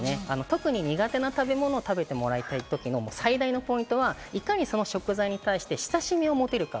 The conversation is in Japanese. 特に苦手な食べ物を食べてもらいたい時の最大のポイントはいかにその食材に対して親しみを持てるか。